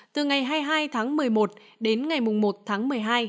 từ ngày hai mươi hai tháng một mươi một đến ngày một tháng một mươi hai